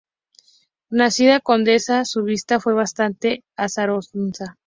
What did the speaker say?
Nacida condesa, su vida fue bastante azarosa.